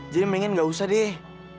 jadi mendingan gak usah deh